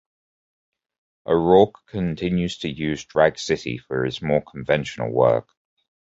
O'Rourke continues to use Drag City for his more conventional work.